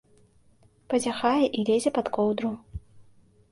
Пазяхае і лезе пад коўдру.